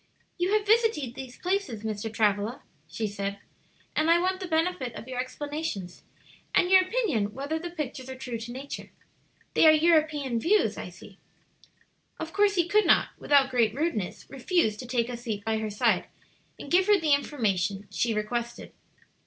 "You have visited these places, Mr. Travilla," she said, "and I want the benefit of your explanations, and your opinion whether the pictures are true to nature. They are European views, I see." Of course he could not, without great rudeness, refuse to take a seat by her side and give her the information she requested.